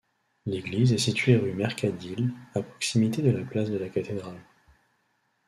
L'église est située rue Mercadilh, à proximité de la place de la Cathédrale.